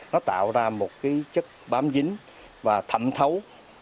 nó tạo ra một cái chất bám dính và thẩm thấu